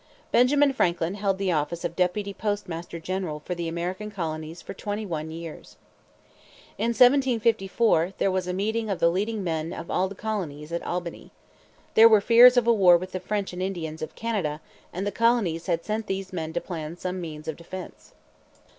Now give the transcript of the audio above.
Benjamin Franklin held the office of deputy postmaster general for the American colonies for twenty one years. In 1754 there was a meeting of the leading men of all the colonies at Albany. There were fears of a war with the French and Indians of Canada, and the colonies had sent these men to plan some means of defence.